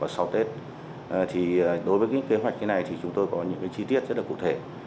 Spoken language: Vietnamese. sau tết đối với kế hoạch như này chúng tôi có những chi tiết rất cụ thể